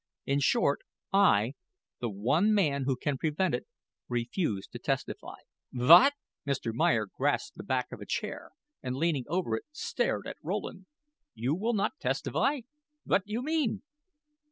In short, I, the one man who can prevent it, refuse to testify." "Vwhat a t?" Mr. Meyer grasped the back of a chair and, leaning over it, stared at Rowland. "You will not testify? Vwhat you mean?"